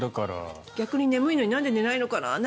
逆に眠いのになんで寝ないのかな